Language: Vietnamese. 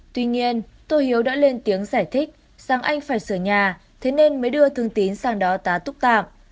tuy nhiên tôi hiếu đã lên tiếng giải thích rằng anh phải sửa nhà thế nên mới đưa thương tín sang đó tá túc tạm